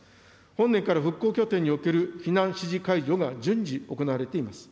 本年から復興拠点における避難指示解除が順次行われています。